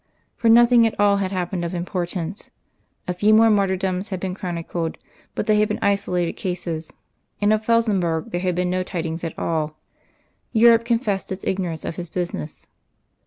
For nothing at all had happened of importance. A few more martyrdoms had been chronicled, but they had been isolated cases; and of Felsenburgh there had been no tidings at all. Europe confessed its ignorance of his business.